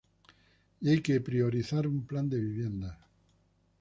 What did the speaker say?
Y hay que priorizar un plan de viviendas.